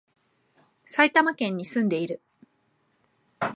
埼玉県に、住んでいる